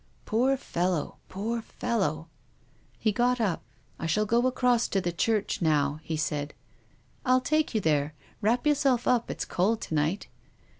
" Poor fellow ! Poor fellow ! He got up. " I .shall go across to the church now," he said. " I'll take you there. Wrap yourself up. It's cold to night."